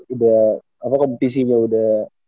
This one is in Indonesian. udah apa kompetisinya udah